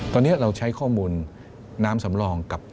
ตอนนี้เราใช้ข้อมูลน้ำสำรองกับ